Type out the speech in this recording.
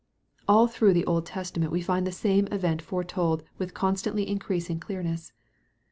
All through the Old Testament we find the same event foretold with constantly increasing clearness.